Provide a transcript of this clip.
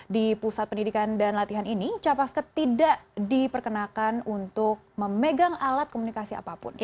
di pusat pendidikan dan latihan ini capaska tidak diperkenakan untuk memegang alat komunikasi apapun